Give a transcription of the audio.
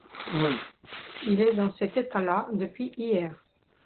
Il est dans cet état-là depuis hier.